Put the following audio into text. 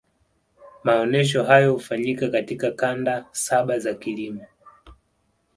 maonesho hayo hufanyika katika kanda saba za kilimo